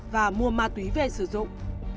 và mua ma túy về sử dụng